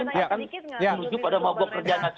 saya mau tanya sedikit